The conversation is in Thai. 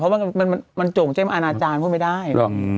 เพราะว่ามันโจ่งแจ้งอาณาจารย์เขาไม่ได้